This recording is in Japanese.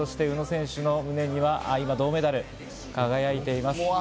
宇野選手の胸には銅メダルが今、輝いています。